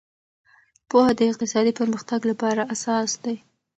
پوهه د اقتصادي پرمختګ لپاره اساس دی.